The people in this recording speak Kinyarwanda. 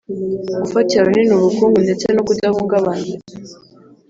gufatira runini ubukungu ndetse no kudahungabana